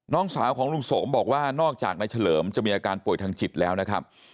น้องสาวของลุงสมบอกว่านอกจากนายเฉลิมจะมีอาการป่วยทางจิตแล้วนะครับ